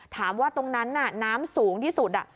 ถามว่าตรงนั้นน่ะน้ำสูงที่สุด